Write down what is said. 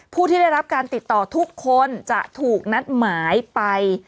ผู้ที่ได้รับการติดต่อทุกคนจะถูกนัดหมายไป